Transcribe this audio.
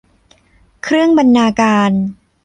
เครื่องบรรณาการ